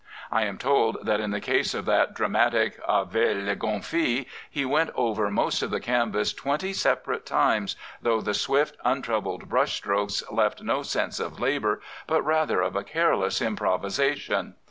I am told that in the case of that dramatic A Vele Gonfie," he went over most of the canvas twenty separate times, though the swift, untroubled brush strokes left no sense of labour, but rather of a careless improvisation.